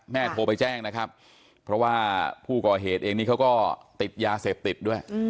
โทรไปแจ้งนะครับเพราะว่าผู้ก่อเหตุเองนี่เขาก็ติดยาเสพติดด้วย